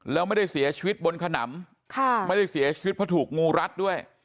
แล้วไม่ได้เสียชีวิตบนขนำไม่ได้เสียชีวิตเพราะถูกงูรัดด้วย